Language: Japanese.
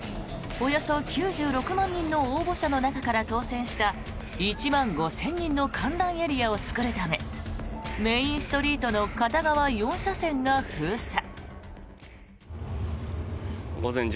およそ９６万人の応募者の中から当選した１万５０００人の観覧エリアを作るためメインストリートの片側４車線が封鎖。